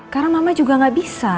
karena mama juga gak bisa